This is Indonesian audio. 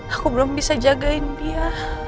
aku belum bisa jagain dia